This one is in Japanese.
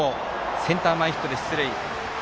センター前ヒットで出塁。